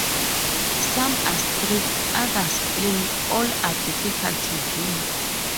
Some are streaked, others plain, all are difficult to view.